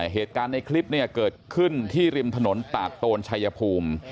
เหตุการณ์ในคลิปเนี่ยเกิดขึ้นที่ริมถนนตากโตนชายภูมิ